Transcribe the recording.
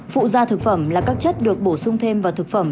phụ gia thực phẩm là các chất được bổ sung thêm vào thực phẩm